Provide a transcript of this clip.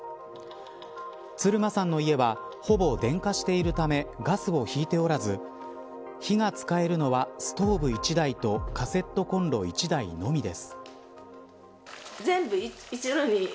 鶴間さんの家はほぼ電化しているためガスを引いておらず火が使えるのは、ストーブ１台とカセットコンロ１台のみです。